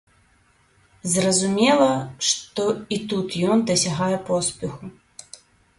Зразумела, што і тут ён дасягае поспеху.